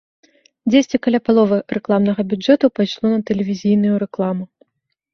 Дзесьці каля паловы рэкламнага бюджэту пайшло на тэлевізійную рэкламу.